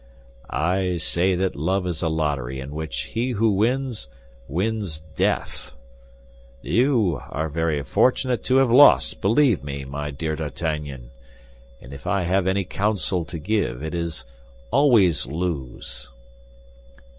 "I say that love is a lottery in which he who wins, wins death! You are very fortunate to have lost, believe me, my dear D'Artagnan. And if I have any counsel to give, it is, always lose!"